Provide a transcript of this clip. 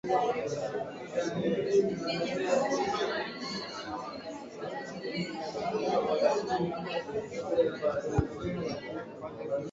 A two-story bank was also originally located on the corner of Monroe and Pearl.